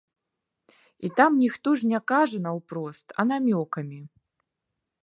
І там ніхто ж не кажа наўпрост, а намёкамі.